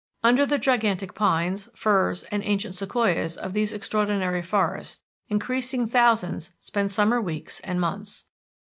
Under the gigantic pines, firs, and ancient sequoias of these extraordinary forests, increasing thousands spend summer weeks and months.